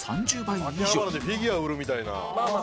「秋葉原でフィギュア売るみたいな」